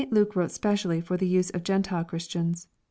Luke wrote specially for the use of the G entile Chris tians.